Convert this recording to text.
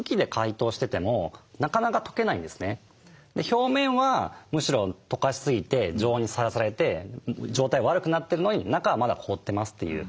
表面はむしろとかしすぎて常温にさらされて状態は悪くなってるのに中はまだ凍ってますっていう。